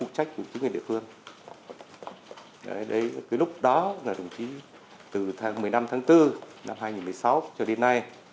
cái lúc đó là đồng chí từ tháng một mươi năm tháng bốn năm hai nghìn một mươi sáu cho đến nay